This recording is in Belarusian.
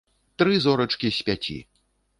Тры зорачкі з пяці.